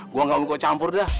gue nggak mau kok campur dah